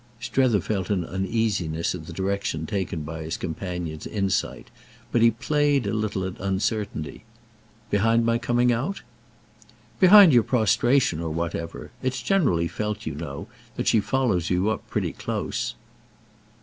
Strether felt an uneasiness at the direction taken by his companion's insight, but he played a little at uncertainty. "Behind my coming out?" "Behind your prostration or whatever. It's generally felt, you know, that she follows you up pretty close."